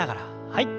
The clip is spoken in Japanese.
はい。